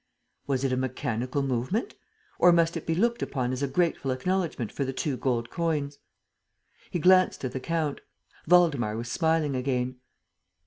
Was it a mechanical movement? Or must it be looked upon as a grateful acknowledgment for the two gold coins? He glanced at the count. Waldemar was smiling again.